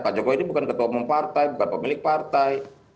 pak jokowi ini bukan ketua umum partai bukan pemilik partai